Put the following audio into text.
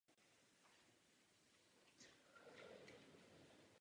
Získal doktorát z literatury.